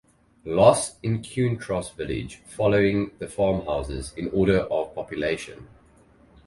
Los Encuentros Village following the farmhouses in order of population.